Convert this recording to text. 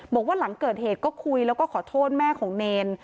บอกว่าหลังเกิดเหตุก็คุยแล้วก็ขอโทษแม่ของเนร